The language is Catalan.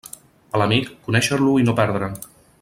A l'amic, conéixer-lo i no perdre'l.